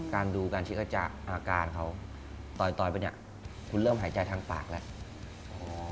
การดูการเช็คอาจารย์อาการเขาต่อยไปคุณเริ่มหายใจทางปากแล้ว